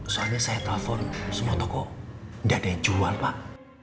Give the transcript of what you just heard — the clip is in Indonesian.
soalnya saya telepon semua toko dan jual pak